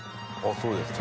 そうですか。